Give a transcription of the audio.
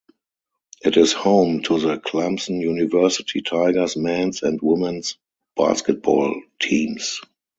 It is home to the Clemson University Tigers men's and women's basketball teams.